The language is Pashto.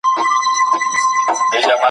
د شيخ سعدي ګلستان او بوستان